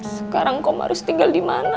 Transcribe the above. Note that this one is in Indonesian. sekarang kau harus tinggal dimana